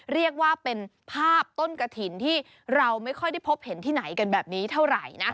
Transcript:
เรียกว่าเป็นภาพต้นกระถิ่นที่เราไม่ค่อยได้พบเห็นที่ไหนกันแบบนี้เท่าไหร่นะ